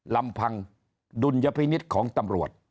ลำพังดุลยพินิษฐ์ของตำรวจ